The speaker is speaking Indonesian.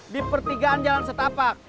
di pertigaan jalan setapak